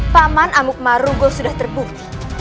paman amuk marugo sudah terbukti